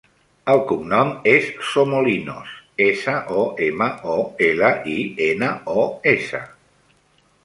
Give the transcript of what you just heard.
El cognom és Somolinos: essa, o, ema, o, ela, i, ena, o, essa.